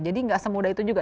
jadi nggak semudah itu juga